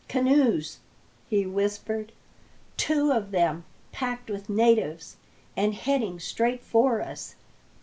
"Canoes!" he whispered. "Two of them, packed with natives, and heading straight for us.